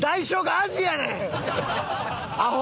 アホ！